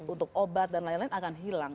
untuk obat dan lain lain akan hilang